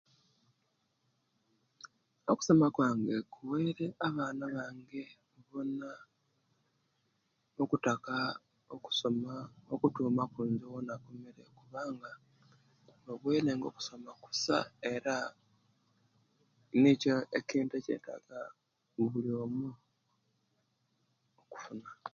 Okusoma kwange kuweire abana bange bona okutaka okusoma okutuma ku nze owenakomere kubanga baweine nga okusoma kusa era nicho echintu echetaga buli omu okufuna